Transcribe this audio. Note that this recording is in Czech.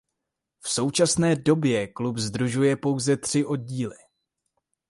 V současné době klub sdružuje pouze tři oddíly.